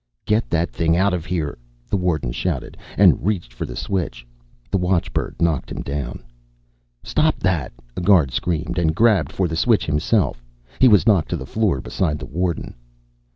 "Get that thing out of here!" the warden shouted, and reached for the switch. The watchbird knocked him down. "Stop that!" a guard screamed, and grabbed for the switch himself. He was knocked to the floor beside the warden.